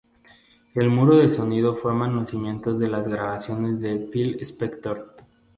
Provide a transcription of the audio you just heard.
El muro de sonido forma los cimientos de las grabaciones de Phil Spector.